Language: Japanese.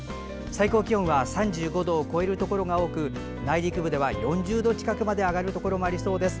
最高気温は３５度を超えるところが多く内陸部では４０度近くまで上がるところもありそうです。